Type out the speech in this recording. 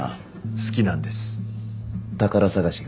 好きなんです宝探しが。